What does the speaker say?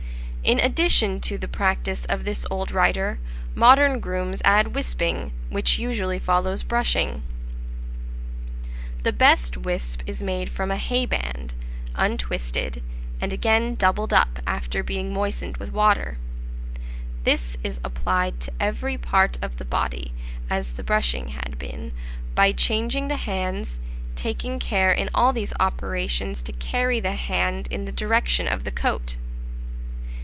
In addition to the practice of this old writer, modern grooms add wisping, which usually follows brushing. The best wisp is made from a hayband, untwisted, and again doubled up after being moistened with water: this is applied to every part of the body, as the brushing had been, by changing the hands, taking care in all these operations to carry the hand in the direction of the coat.